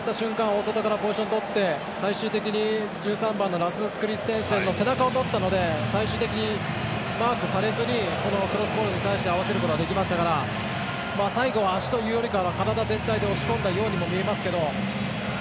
大外からポジションをとって最終的に１３番のラスムス・クリステンセンの背中を取ったので最終的にマークされずにクロスボールに対して合わせることができましたから最後は、足というより体全体で押し込んだようにも見えますけど。